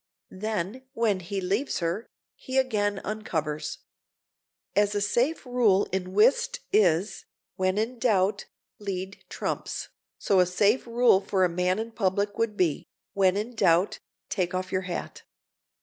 Then, when he leaves her, he again uncovers. As a safe rule in whist is, "When in doubt, lead trumps," so a safe rule for a man in public would be, "When in doubt, take off your hat."